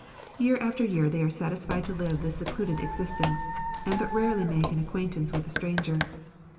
Year after year they are satisfied to live this secluded existence, and but rarely make an acquaintance with a stranger.